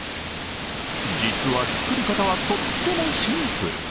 実は作り方はとってもシンプル。